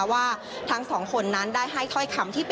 โดยในวันนี้นะคะพนักงานสอบสวนนั้นก็ได้ปล่อยตัวนายเปรมชัยกลับไปค่ะ